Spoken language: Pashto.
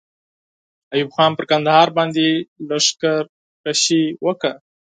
ایوب خان پر کندهار باندې لښکر کشي وکړه.